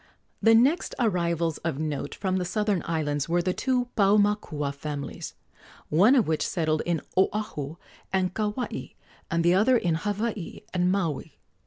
The next arrivals of note from the southern islands were the two Paumakua families, one of which settled in Oahu and Kauai and the other in Hawaii and Maui.